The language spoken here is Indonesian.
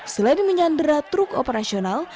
selain menyandera truk operasional